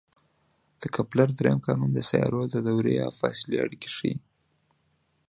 د کپلر درېیم قانون د سیارو د دورې او فاصلې اړیکې ښيي.